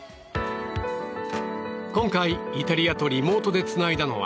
今回、イタリアとリモートでつないだのは。